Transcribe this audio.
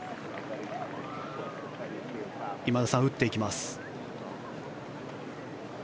今田さん、打っていきます。